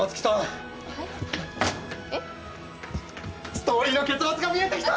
ストーリーの結末が見えてきた！